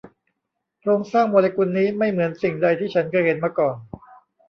โครงสร้างโมเลกุลนี้ไม่เหมือนสิ่งใดที่ฉันเคยเห็นมาก่อน